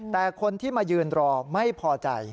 แต่คนที่มายืนรอไม่พอใจ